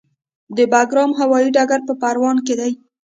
د بګرام هوايي ډګر په پروان کې دی